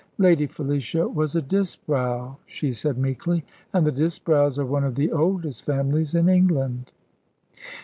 "Lady Felicia was a Disbrowe," she said meekly, "and the Disbrowes are one of the oldest families in England."